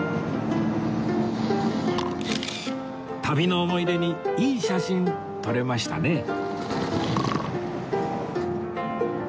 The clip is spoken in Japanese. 旅の思い出にいい写真撮れましたね